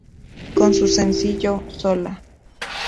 Con su sencillo "Sola!